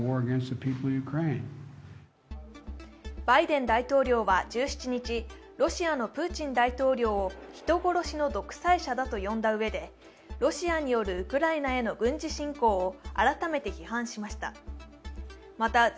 バイデン大統領は１７日、ロシアのプーチン大統領を人殺しの独裁者と呼んだうえでロシアによるウクライナへの軍事侵攻を改めて批判しました。